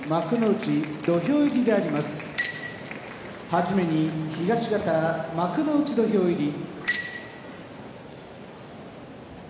はじめに東方幕内土俵入り。